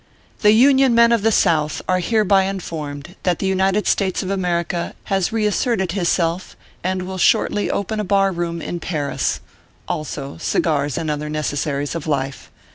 The Union men of the South are hereby informed that the United States of America has reasserted his self, and will shortly open a bar room in Paris. Also, cigars and other necessaries of life.